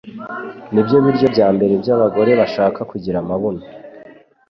nibyo biryo bya mbere byabagore bashaka kugira amabuno